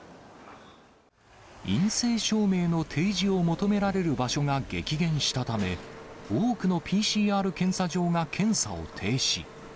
陰性証明の提示を求められる場所が激減したため、多くのＰＣＲ検査場が検査を停止。